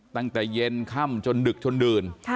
ตั้งแต่เย็นค่ำจนดึกจนดื่น